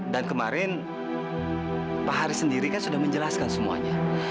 dan kemarin pak hari sendiri kan sudah menjelaskan semuanya